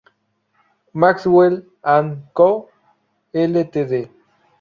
Maxwell and Co., Ltd.